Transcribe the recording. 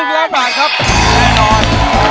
๑ล้านบาทครับแน่นอน